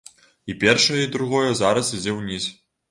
І першае, і другое зараз ідзе ўніз.